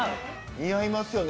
似合いますよね。